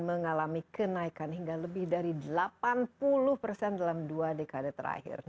mengalami kenaikan hingga lebih dari delapan puluh persen dalam dua dekade terakhir